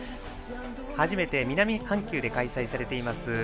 初めて南半球で開催されています